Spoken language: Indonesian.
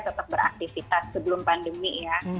tetap beraktivitas sebelum pandemi ya